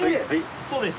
そうです。